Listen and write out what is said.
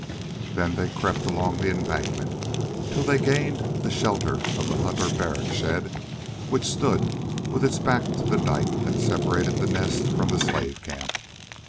Then they crept along the embankment till they gained the shelter of the hut or barrack shed which stood with its back to the dike that separated the Nest from the slave camp.